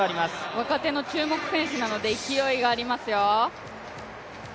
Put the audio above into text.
若手の注目選手なので、勢いがありますよ。